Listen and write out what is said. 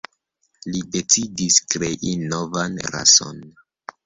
Li decidis krei novan rason.